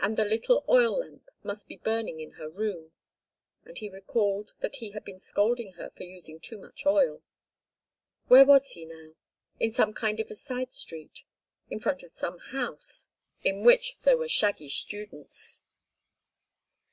And the little oil lamp must be burning in her room—and he recalled that he had been scolding her for using too much oil. Where was he now? In some kind of a side street. In front of some house—in which there were shaggy students.